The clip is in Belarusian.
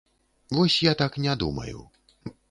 Вось я так не думаю.